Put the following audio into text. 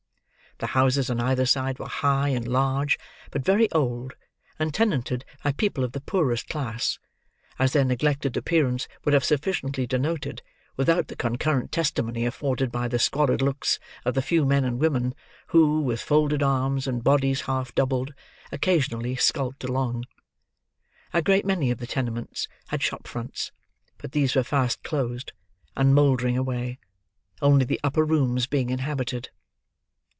The houses on either side were high and large, but very old, and tenanted by people of the poorest class: as their neglected appearance would have sufficiently denoted, without the concurrent testimony afforded by the squalid looks of the few men and women who, with folded arms and bodies half doubled, occasionally skulked along. A great many of the tenements had shop fronts; but these were fast closed, and mouldering away; only the upper rooms being inhabited.